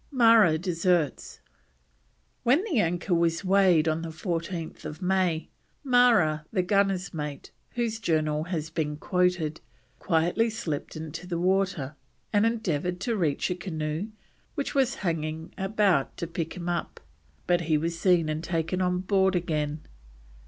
MARRA DESERTS. When the anchor was weighed on 14th May, Marra, the gunner's mate, whose Journal has been quoted, quietly slipped into the water, and endeavoured to reach a canoe which was hanging about to pick him up, but he was seen and taken on board again.